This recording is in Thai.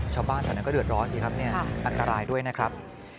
ชาวบ้านแถวนั้นก็เดือดร้อนสิครับอันตรายด้วยนะครับ